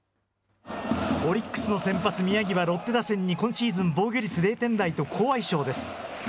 オリックスの先発・宮城はロッテ打線に今シーズン防御率０点台と好相性です。